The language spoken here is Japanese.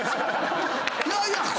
いやいや。